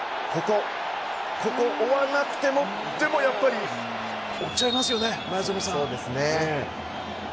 ここはなくても、でもやっぱりいっちゃいますよね、前園さん。